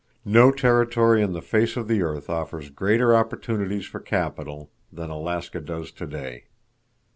No territory on the face of the earth offers greater opportunities for capital than Alaska does today.